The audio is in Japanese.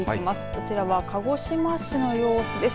こちらは鹿児島市の様子です。